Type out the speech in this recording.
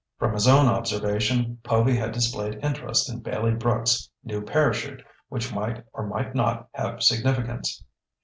From his own observation, Povy had displayed interest in Bailey Brooks' new parachute, which might or might not have significance.